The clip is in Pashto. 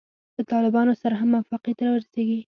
له طالبانو سره هم موافقې ته ورسیږي.